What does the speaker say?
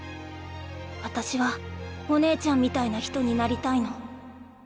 私はお姉ちゃんみたいな人になりたいの。